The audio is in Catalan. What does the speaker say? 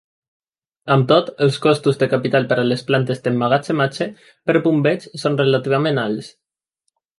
Amb tot, els costos de capital per a les plantes d'emmagatzematge per bombeig són relativament alts.